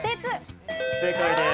正解です。